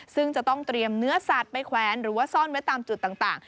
ซึ่งจะต้องเตรียมเนื้อสัตว์ไปแขวนหรือว่าซ่อนไว้ตามจุดต่าง